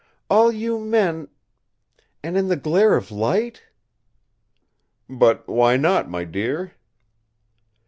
All you men...! And in the glare of light!" "But why not, my dear?"